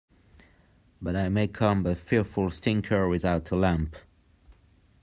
But I may come a fearful stinker without a lamp.